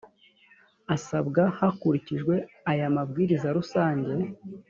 asabwa hakurikijwe aya mabwiriza rusange